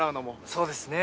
そうですね